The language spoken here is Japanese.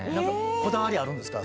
こだわりあるんですか？